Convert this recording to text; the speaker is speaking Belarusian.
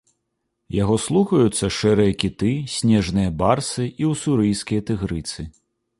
Яго слухаюцца шэрыя кіты, снежныя барсы і ўсурыйскія тыгрыцы.